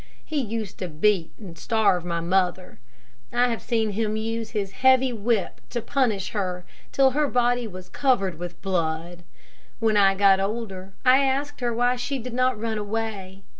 He used to beat and starve my mother. I have seen him use his heavy whip to punish her till her body was covered with blood. When I got older I asked her why she did not run away.